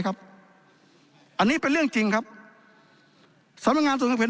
ครับอันนี้เป็นเรื่องจริงครับสำหรับงานตรวจเงินแข่น